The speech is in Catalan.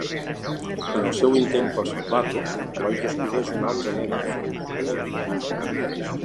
En el seu intent per salvar-lo, Lois descobreix un altre nen a la foto: un noi.